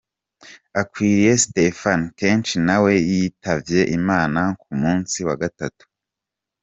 Akwirikiye Stephen Keshi nawe yitavye Imana ku munsi wa gatatu.